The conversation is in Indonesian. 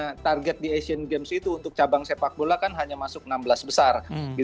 untuk menaiki game game itu untuk cabang sepak bola kan hanya masuk enam belas besar